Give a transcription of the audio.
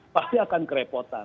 pasti akan kerepotan